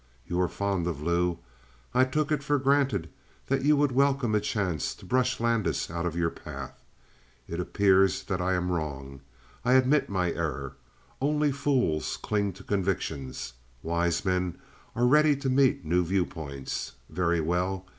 You are fond of Lou. I took it for granted that you would welcome a chance to brush Landis out of your path. It appears that I am wrong. I admit my error. Only fools cling to convictions; wise men are ready to meet new viewpoints. Very well.